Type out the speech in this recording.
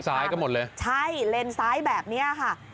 ซ้ายก็หมดเลยใช่เลนซ้ายแบบนี้ค่ะ